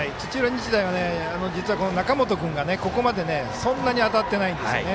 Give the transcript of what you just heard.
日大は実は中本君がここまでそんなに当たってないんですよね。